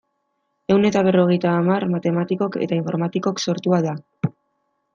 Ehun eta berrogeita hamar matematikok eta informatikok sortua da.